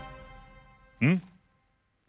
うん？